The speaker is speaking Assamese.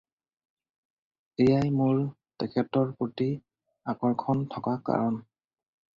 এয়াই মোৰ তেখেতৰ প্ৰতি আকৰ্ষণ থকাৰ কাৰণ।